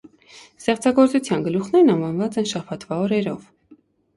Ստեղծագործության գլուխներն անվանված են շաբաթվա օրերով։